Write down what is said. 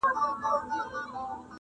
o چي باد نه وي، درخته نه ښوري!